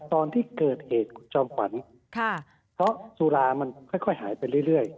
ตอนที่เกิดเหตุคุณจอมขวัญเพราะสุรามันค่อยหายไปเรื่อย